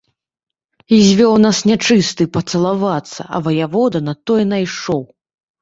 І звёў нас нячысты пацалавацца, а ваявода на тое найшоў.